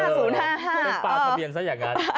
เป็นปลาทะเบียนซะอย่างนั้น